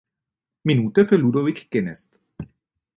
Minute für Ludovic Genest.